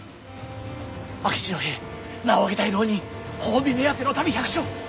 明智の兵名を上げたい浪人褒美目当ての民百姓！